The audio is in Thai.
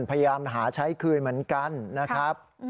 พยายามหาใช้คืนเหมือนกันนะครับ